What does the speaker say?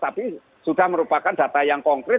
tapi sudah merupakan data yang konkret